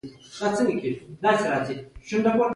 نورمحمد تره کی د پښتو ژبې لمړی ناول لیکونکی دی